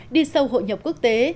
đi sâu hội nhập quốc tế